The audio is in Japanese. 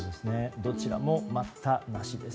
どちらも待ったなしです。